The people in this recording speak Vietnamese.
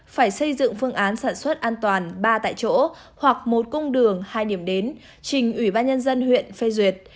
phải xây dựng phương án sản xuất an toàn ba tại chỗ hoặc một cung đường hai điểm đến trình ủy ban nhân dân huyện phê duyệt